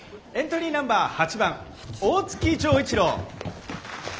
エントリーナンバー８番大月錠一郎。